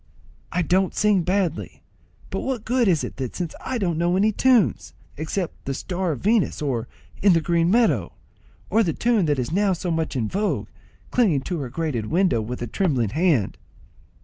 "I don't sing; badly; but what good is that since I don't know any tunes, except the 'Star of Venus,' or, 'In the green meadow,' or the tune that is now so much in vogue, 'Clinging to her grated window, with a trembling hand?'"